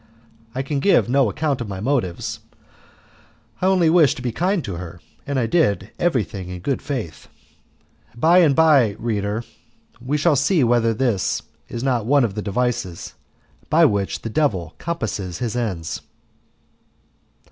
I can give no account of my motives. I only wished to be kind to her, and I did everything in good faith. By and by, reader, we shall see whether this is not one of the devices by which the devil compasses his ends.